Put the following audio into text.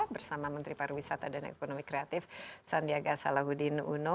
bersama menteri pariwisata dan ekonomi kreatif sandiaga salahuddin uno